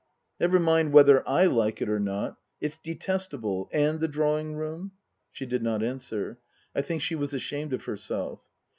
" Never mind whether I like it or not. It's detestable. And the drawing room ?" She did not answer. I think she was ashamed of herself.